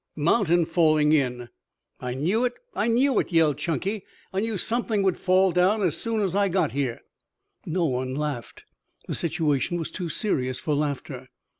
"Mountain falling in!" "I knew it! I knew it!" yelled Chunky. "I knew something would fall down as soon as I got here." No one laughed. The situation was too serious for laughter.